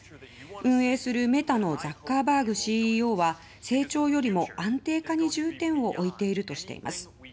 運営するメタのザッカーバーグＣＥＯは成長よりも安定化に重点を置いているとしています。